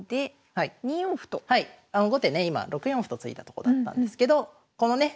後手ね今６四歩と突いたとこだったんですけどこのね